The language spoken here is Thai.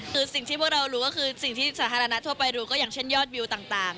คือสิ่งที่พวกเรารู้ก็คือสิ่งที่สาธารณะทั่วไปรู้ก็อย่างเช่นยอดวิวต่าง